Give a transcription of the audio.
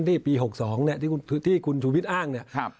นี่ปี๖๒เนี่ยที่คุณชูวิทย์อ้างเนี่ย